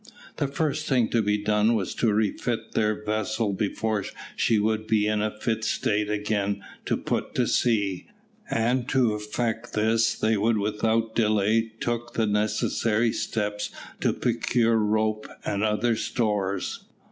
The first thing to be done was to refit their vessel before she would be in a fit state again to put to sea, and to effect this they without delay took the necessary steps to procure rope and other stores.